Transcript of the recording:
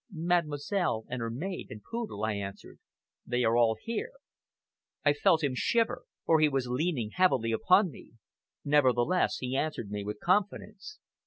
"Mademoiselle, and her maid and poodle," I answered. "They are all here!" I felt him shiver, for he was leaning heavily upon me. Nevertheless, he answered me with confidence.